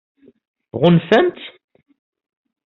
Tɣunfam-tt?